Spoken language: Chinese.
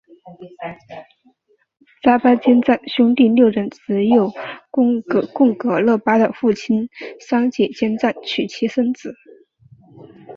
扎巴坚赞兄弟六人只有贡噶勒巴的父亲桑结坚赞娶妻生子。